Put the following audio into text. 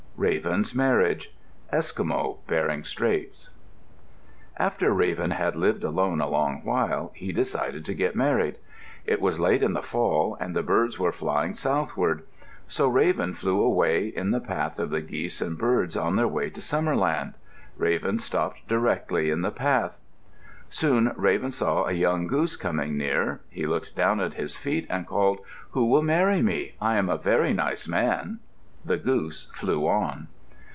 RAVEN'S MARRIAGE Eskimo (Bering Straits) After Raven had lived alone a long while, he decided to get married. It was late in the fall and the birds were flying southward. So Raven flew away in the path of the geese and birds on their way to summerland. Raven stopped directly in the path. Soon Raven saw a young goose coming near. He looked down at his feet and called, "Who will marry me? I am a very nice man." The goose flew on.